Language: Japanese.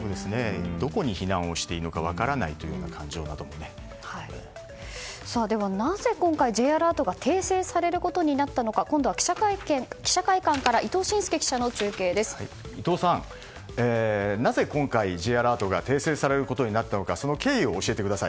どこに避難をしていいか分からないというでは、なぜ今回Ｊアラートが訂正されることになったのか今度は記者会館から伊藤さん、なぜ今回Ｊアラートが訂正されることになったのか